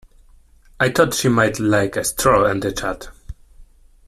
I thought she might like a stroll and a chat.